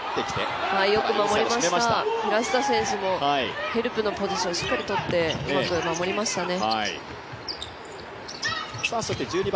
平下選手もヘルプのポジションしっかりとってうまく守りましたね。